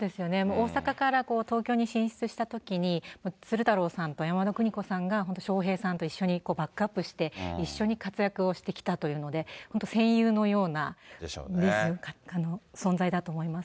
大阪から東京に進出したときに、鶴太郎さんと山田邦子さんが、本当笑瓶さんと一緒にバックアップして、一緒に活躍をしてきたというので、本当、戦友のような存在だと思います。